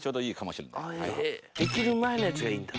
できる前のやつがいいんだ。